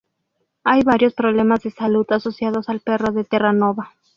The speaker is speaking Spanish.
Hay varios problemas de salud asociados al perro de Terranova.